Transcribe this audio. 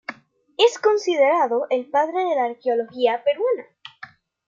Es considerado el padre de la arqueología peruana.